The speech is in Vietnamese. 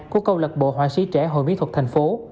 của câu lạc bộ họa sĩ trẻ hội mỹ thuật tp